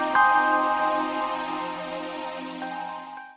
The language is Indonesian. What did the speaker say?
aku akan menjaga keamananmu